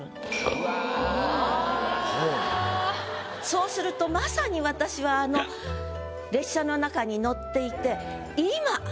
・そうするとまさに私はあの列車の中に乗っていて。